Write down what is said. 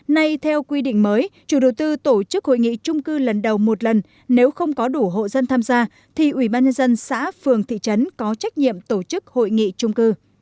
nay theo quy định mới chủ đầu tư tổ chức hội nghị trung cư lần đầu một lần nếu không có đủ hộ dân tham gia thì ủy ban nhân dân xã phường thị trấn có trách nhiệm tổ chức hội nghị trung cư